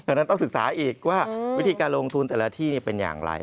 ดังนั้นต้องศึกษาอีกว่าวิธีการลงทุนแต่ละที่เป็นอย่างไร